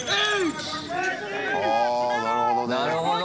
あなるほどね。なるほど。